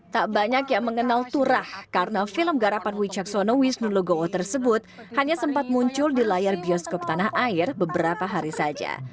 tak banyak yang mengenal turah karena film garapan wicaksono wisnu legowo tersebut hanya sempat muncul di layar bioskop tanah air beberapa hari saja